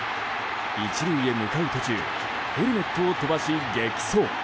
１塁へ向かう途中ヘルメットを飛ばし、激走。